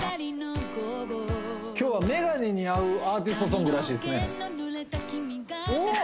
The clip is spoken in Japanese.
今日はメガネ似合うアーティストソングらしいですねおっ！